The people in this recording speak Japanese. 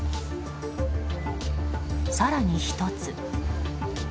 更に１つ。